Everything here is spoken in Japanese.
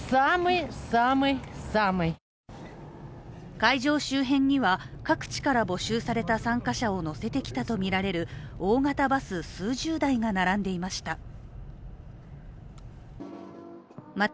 会場周辺には各地から募集された参加者を乗せてきたとみられる大型バス数十台が並んでいました。